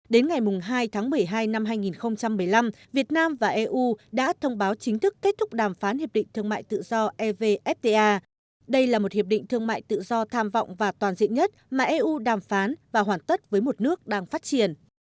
đến ngày hai tháng một mươi hai năm hai nghìn một mươi năm việt nam và eu đã thông báo chính thức kết thúc đàm phán hiệp định thương mại tự do evfta đây là một hiệp định thương mại tự do tham vọng và toàn diện nhất mà eu đàm phán và hoàn tất với một nước đang phát triển